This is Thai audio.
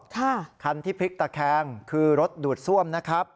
คันที่พลิกตะแคงคือรถดูดซ่วมนะครับ